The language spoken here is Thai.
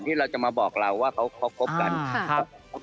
ที่เราจะมาบอกเราว่าเขาก็พูดกันน่ะ